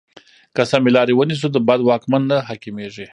که سمې لارې ونیسو، بد واکمن نه حاکمېږي.